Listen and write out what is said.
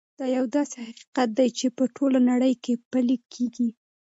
دا یو داسې حقیقت دی چې په ټوله نړۍ کې پلی کېږي.